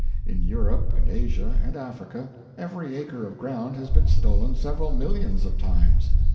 In Europe and Asia and Africa every acre of ground has been stolen several millions of times.